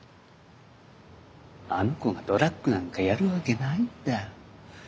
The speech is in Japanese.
あの子がドラッグなんかやるわけないんだ。